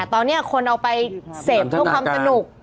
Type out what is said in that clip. ตอนนี้คนเอาไปเสพเพื่อความสนุก